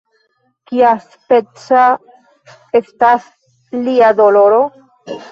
Kiaspeca estas lia doloro?